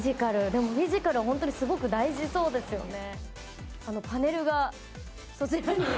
でも、フィジカルは本当にすごく大事そうですよね。